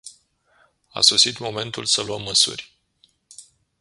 A sosit momentul să luăm măsuri.